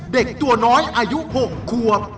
เด็กตัวน้อยอายุ๖ควบ